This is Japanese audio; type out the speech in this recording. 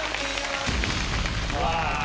うわ！